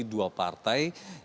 ini adalah informasi yang terkontrol